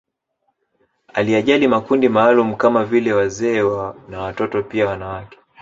Aliyajali makundi maalumu kama vile wazee na watoto pia wanawake